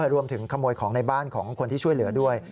รวมถึงขโมยของในบ้านของคนที่ช่วยเหลือด้วย